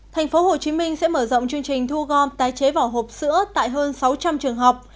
thành phố hồ chí minh sẽ mở rộng chương trình thu gom tái chế vỏ hộp sữa tại hơn sáu trăm linh trường học